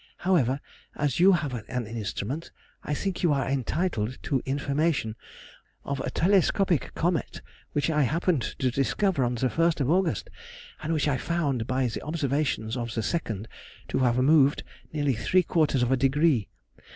However, as you have an instrument, I think you are entitled to information of a telescopic comet which I happened to discover on the 1st of August, and which I found, by the observations of the 2nd, to have moved nearly three quarters of a degree.